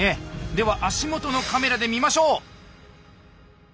では足元のカメラで見ましょう。